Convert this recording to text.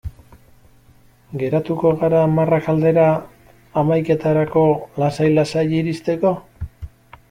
Geratuko gara hamarrak aldera, hamaiketarako lasai-lasai iristeko?